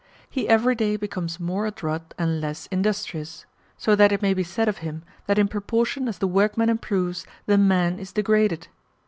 He every day becomes more adroit and less industrious; so that it may be said of him, that in proportion as the workman improves the man is degraded.